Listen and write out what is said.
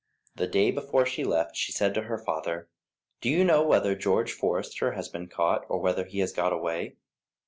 The day before she left she said to her father: "Do you know whether George Forester has been caught, or whether he has got away?"